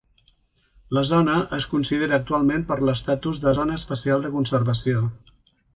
La zona es considera actualment per l'estatus de Zona Especial de Conservació.